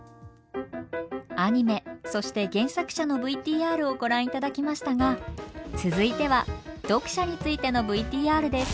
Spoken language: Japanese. アニメそして原作者のＶＴＲをご覧いただきましたが続いては読者についてのＶＴＲです。